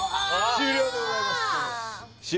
終了でございます